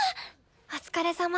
お疲れさま。